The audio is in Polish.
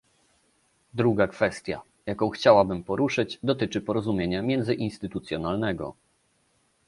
Druga kwestia, jaką chciałabym poruszyć, dotyczy porozumienia międzyinstytucjonalnego